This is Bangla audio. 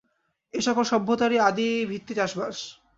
এ সকল সভ্যতারই আদি ভিত্তি চাষবাস।